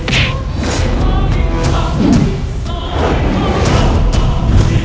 kau memang tidak ada urusan denganku